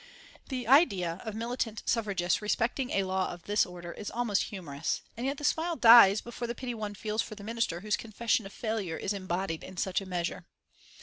The idea of militant suffragists respecting a law of this order is almost humorous, and yet the smile dies before the pity one feels for the Minister whose confession of failure is embodied in such a measure.